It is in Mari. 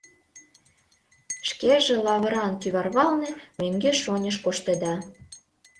Шкеже лавыран кӱварвалне мӧҥгеш-оньыш коштеда.